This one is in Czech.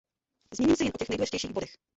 Zmíním se jen o těch nejdůležitějších bodech.